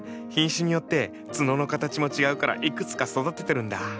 品種によって角の形も違うからいくつか育ててるんだ。